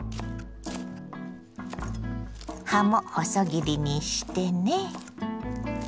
葉も細切りにしてね。